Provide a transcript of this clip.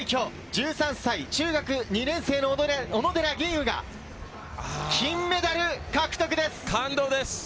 １３歳、中学２年生の小野寺吟雲が感動です！